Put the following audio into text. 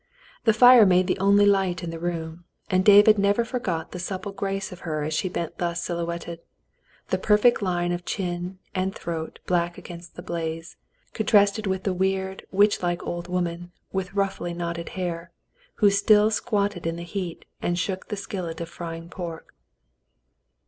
The fire made the only light in the room, and David never forgot the supple grace of her as she bent thus silhouetted — the perfect line of chin and throat black against the blaze, contrasted with the weird, witchlike old woman with roughly knotted hair, who still squatted in the heat, and shook the skillet of frying pork.